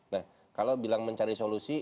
nah kalau bilang mencari solusi